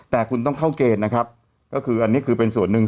แต่คุณต้องเข้าเกณฑ์นะครับก็คืออันนี้คือเป็นส่วนหนึ่ง